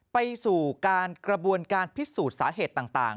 ไปสู่การกระบวนการพิสูจน์สาเหตุต่าง